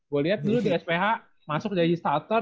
gua liat lu di sph masuk jis starter